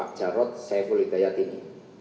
jarod saiful hidayat ini